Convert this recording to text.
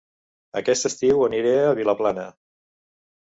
Aquest estiu aniré a Vilaplana